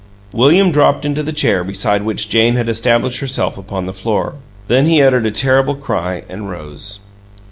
William dropped into the chair beside which Jane had established herself upon the floor. Then he uttered a terrible cry and rose.